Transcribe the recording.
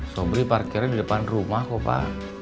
tombri parkirnya di depan rumah kok pak